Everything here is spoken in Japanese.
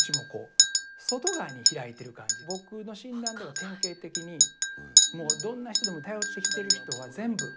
つまり僕の診断では典型的にもうどんな人でも頼ってきてる人は全部一応受け入れる。